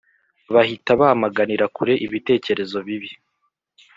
bahita bamaganira kure ibitekerezo bibi